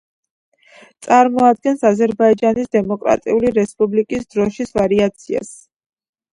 წარმოადგენს აზერბაიჯანის დემოკრატიული რესპუბლიკის დროშის ვარიაციას.